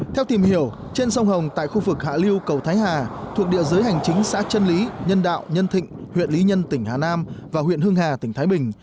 theo tìm hiểu trên sông hồng tại khu vực hạ lưu cầu thái hà thuộc địa giới hành chính xã trân lý nhân đạo nhân thịnh huyện lý nhân tỉnh hà nam và huyện hưng hà tỉnh thái bình